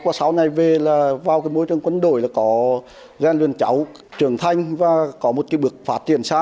và sau này về là vào cái môi trường quân đội là có gian luyện cháu trưởng thanh và có một cái bước phát triển xa